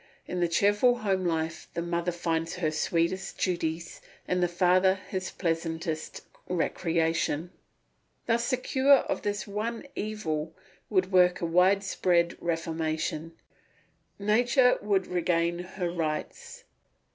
In the cheerful home life the mother finds her sweetest duties and the father his pleasantest recreation. Thus the cure of this one evil would work a wide spread reformation; nature would regain her rights.